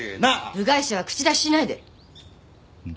部外者は口出ししないで！